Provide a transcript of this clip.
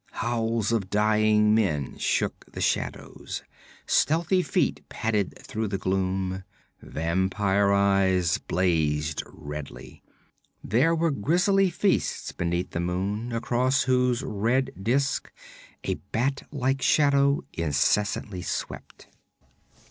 Howls of dying men shook the shadows; stealthy feet padded through the gloom, vampire eyes blazed redly. There were grisly feasts beneath the moon, across whose red disk a bat like shadow incessantly swept.